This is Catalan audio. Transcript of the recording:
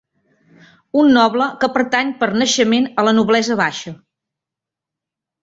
Un noble que pertany per naixement a la noblesa baixa.